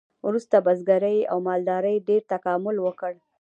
وروسته بزګرۍ او مالدارۍ ډیر تکامل وکړ.